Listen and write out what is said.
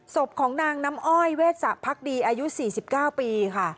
ศพของนางน้ำอ้อยเวสะพักดีอายุ๔๙ปีค่ะ